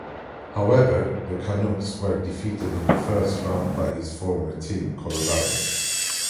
However, the Canucks were defeated in the first round by his former team, Colorado.